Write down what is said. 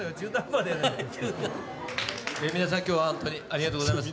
皆さん今日はほんとにありがとうございます。